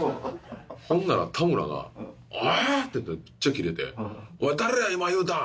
ほんなら田村が「おい！」ってめっちゃキレて「おい誰や今言うたん！